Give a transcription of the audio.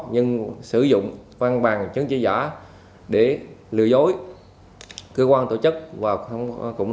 nhưng sử dụng